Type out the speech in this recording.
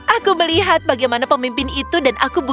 aku melihat bagaimana pemimpin itu dan aku bukan